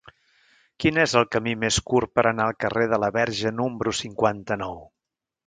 Quin és el camí més curt per anar al carrer de la Verge número cinquanta-nou?